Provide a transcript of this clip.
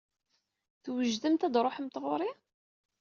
Twejdemt ad d-tṛuḥemt ɣuṛ-i?